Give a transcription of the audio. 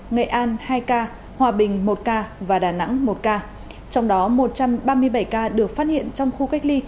nghệ an hai ca hòa bình một ca và đà nẵng một ca trong đó một trăm ba mươi bảy ca được phát hiện trong khu cách ly